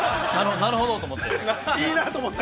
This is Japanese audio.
◆なるほどなと思って。